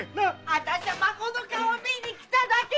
あたしゃ孫の顔見に来ただけだ！